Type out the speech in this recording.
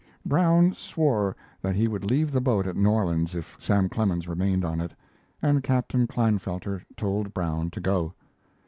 Brown swore that he would leave the boat at New Orleans if Sam Clemens remained on it, and Captain Klinefelter told Brown to go.